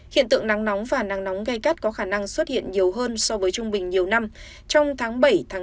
hiện tượng nắng nóng và nắng nóng gây cắt có khả năng xuất hiện nhiều hơn so với trung bình nhiều năm trong tháng bảy tám hai nghìn hai mươi bốn